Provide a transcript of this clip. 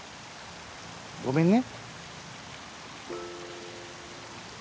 ごめんね。